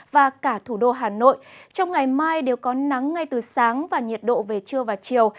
và cả thủ đô hà nội trong ngày mai đều có nắng ngay từ sáng và nhiệt độ về trưa và chiều